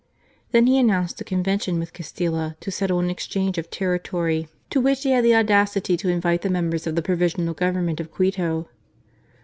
Then he announced a convention with Castilla to settle an exchange of territory, to which he had the audacity to invite the jnembers of the Provisional Government of Quito.